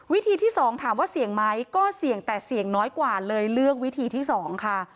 วิธีที่๒ถามว่าเสี่ยงไหมก็เสี่ยงแต่เสี่ยงน้อยกว่าเลยเลือกวิธีที่๒ค่ะ